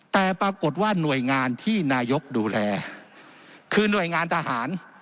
แต่ปรากฏว่าหน่วยงานที่นายกดูแลคือหน่วยงานทหาร